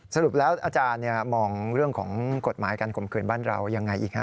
สรุปแล้วอาจารย์มองเรื่องของกฎหมายการข่มขืนบ้านเรายังไงอีกฮะ